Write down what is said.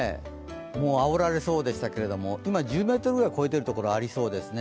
もうあおられそうでしたけど、今、１０ｍを超えているところがありそうですね。